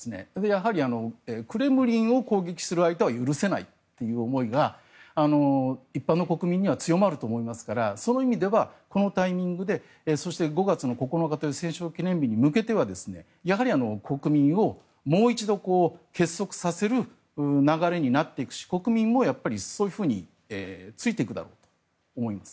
やはりクレムリンを攻撃する相手は許せないという思いが一般の国民には強まると思いますからその意味ではこのタイミングでそして５月９日という戦勝記念日に向けてはやはり国民をもう一度結束させる流れになっていくし国民もそういうふうについていくだろうと思います。